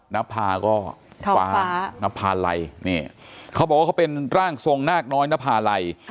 นภาก็ฟ้านภาลัยนี่เขาบอกว่าเขาเป็นร่างทรงนาคน้อยนภาลัย